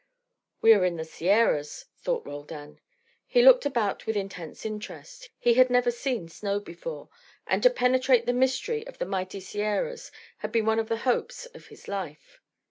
"We are in the Sierras," thought Roldan. He looked about with intense interest; he had never seen snow before; and to penetrate the mystery of the mighty Sierras had been one of the hopes of his life.